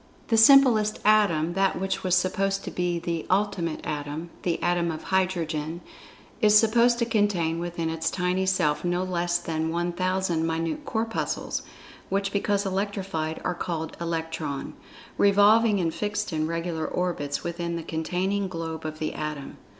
The simplest Atom—that which was supposed to be the "Ultimate Atom"—the Atom of Hydrogen—is supposed to contain within its tiny self no less than 1,000 minute Corpuscles, which because electrified are called "Electron," revolving in fixed and regular orbits within the containing globe of the Atom.